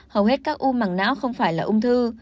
hầu hết các u mảng não không phải là ung thư